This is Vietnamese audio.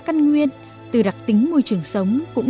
căn nguyên từ đặc tính môi trường sống